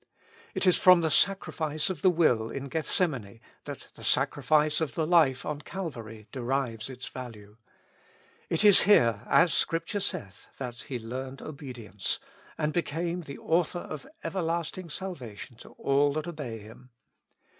It is from the sacrifice of the will in Gethsemane that the sacrifice of the life on Calvary derives its value. It is here, as Scripture saith, that He learned obedi ence, and became the author of everlasting salvation to all that obey Him.